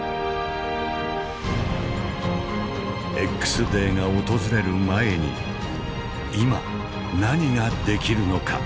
Ｘデーが訪れる前に今何ができるのか。